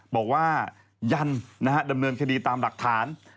บอกว่ายันดำเนินคดีตามหลักฐาน